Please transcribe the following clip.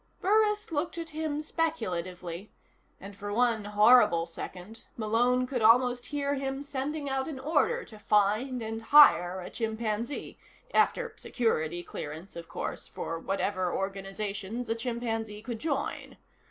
Burris looked at him speculatively, and for one horrible second Malone could almost hear him sending out an order to find, and hire, a chimpanzee (after Security clearance, of course, for whatever organizations a chimpanzee could join).